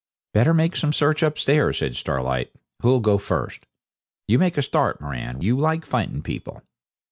'Better make some search upstairs,' says Starlight. 'Who'll go first? You make a start, Moran; you like fighting people.'